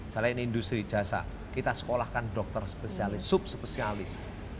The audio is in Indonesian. selain industri jasa kita sekolahkan dokter spesialis sub spesialis